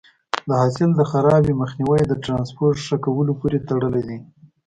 د حاصل د خرابي مخنیوی د ټرانسپورټ ښه کولو پورې تړلی دی.